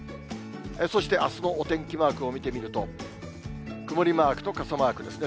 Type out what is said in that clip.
そしてあすのお天気マークを見てみると、曇りマークと傘マークですね。